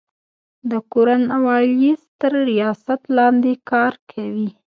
د کورن والیس تر ریاست لاندي کار کوي.